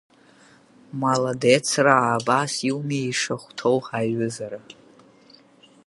Маладецраа, абас иуми ишахәҭоу аиҩызара.